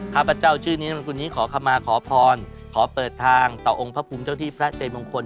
ข้าพเจ้าชื่อนี้ในคนนี้ขอคำมาขอพรขอเปิดทางต่อองค์พระภูมิเจ้าที่พระเจมงคล